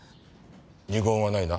二言はないな？